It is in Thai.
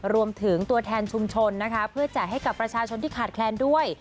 รวมถึงตัวแทนชุมชนนะคะเพื่อแจกให้กับประชาชนที่ขาดแคลนด้วย